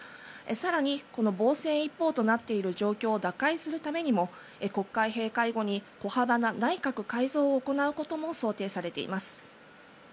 更に、防戦一方となっている状況を打開するためにも国会閉会後に小幅な内閣改造を行うことも想定されています。